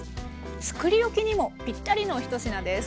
つくり置きにもぴったりの一品です。